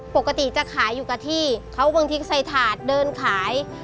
ปกติจะขายอยู่กับที่เขาบางทีใส่ถาดเดินขาย